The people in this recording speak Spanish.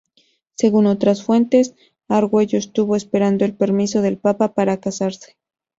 Según otras fuentes, Argüello estuvo esperando el permiso del Papa para casarse.